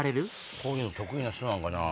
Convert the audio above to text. こういうの得意な人なんかな？